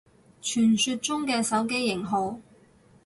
傳說中嘅手機型號